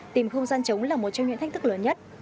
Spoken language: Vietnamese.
tìm không gian chống là một trong những thách thức lớn nhất